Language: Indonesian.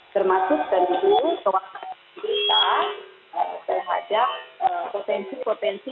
termasuk tentu kewaspadaan kita terhadap potensi potensi